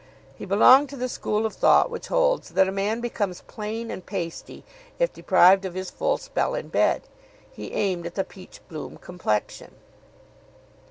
He belonged to the school of thought which holds that a man becomes plain and pasty if deprived of his full spell in bed. He aimed at the peach bloom complexion.